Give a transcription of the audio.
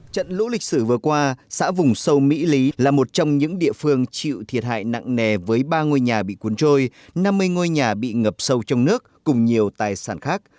trận lũ lịch sử vừa qua xã vùng sâu mỹ lý là một trong những địa phương chịu thiệt hại nặng nề với ba ngôi nhà bị cuốn trôi năm mươi ngôi nhà bị ngập sâu trong nước cùng nhiều tài sản khác